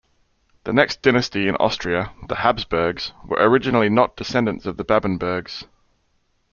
The next dynasty in Austria-the Habsburgs-were originally not descendants of the Babenbergs.